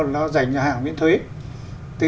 nó dành cho hàng miễn thuế